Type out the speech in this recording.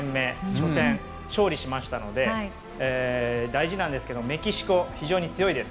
初戦、勝利しましたので大事なんですけどメキシコ、非常に強いです。